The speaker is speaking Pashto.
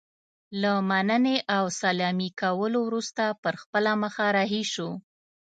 له مننې او سلامي کولو وروسته پر خپله مخه رهي شو.